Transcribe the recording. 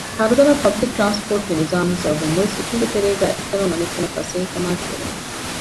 ހަރުދަނާ ޕަބްލިކު ޓްރާންސްޕޯޓުގެ ނިޒާމުގެ ސަބަބުން މުޅި ސިޓީގެ ތެރޭގައި އެއްތަނުން އަނެއްތަނަށް ފަސޭހަކަމާއެކު ދެވޭނެ